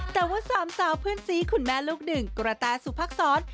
แต่ว่าสามสาวเพื่อนซีคุณแม่ลูกหนึ่งกระแตสุพักษร